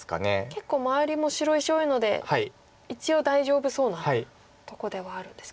結構周りも白石多いので一応大丈夫そうなとこではあるんですか。